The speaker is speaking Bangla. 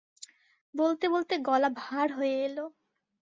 বলতে বলতে গলা ভার হয়ে এল।